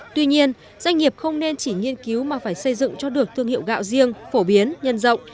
tuy nhiên doanh nghiệp không nên chỉ nghiên cứu mà phải xây dựng cho được thương hiệu gạo riêng phổ biến nhân rộng